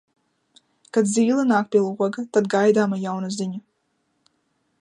Kad zīle nāk pie loga, tad gaidāma jauna ziņa.